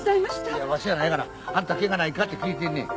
いやわしやないがなあんたケガないかって聞いてんねん。